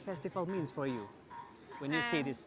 dan saya akan mengambilnya kembali ke rumah